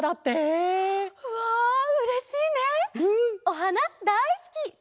おはなだいすき！